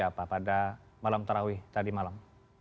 apa pada malam terawih tadi malam